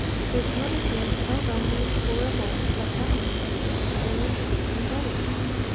There's none of these so lonely and poor of old, But, dying, has made us rarer gifts than gold.